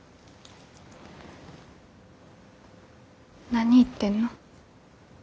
何言ってんの。